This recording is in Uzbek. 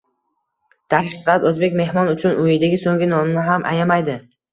Darhaqiqat, o‘zbek mehmon uchun uyidagi so‘nggi nonini ham ayamaydi